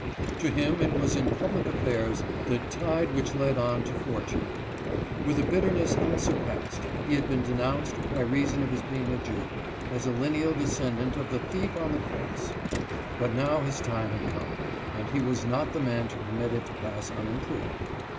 To him it was in public affairs the "tide which led on to fortune/' With a bitterness unsurpassed he had been denounced, by reason of his being a Jew, as a lineal descendant of the thief on the cross. But now his time had come, and he was not the man to permit it to pass unimproved.